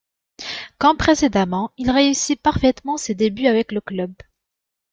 Comme précédemment, il réussit parfaitement ses débuts avec le club.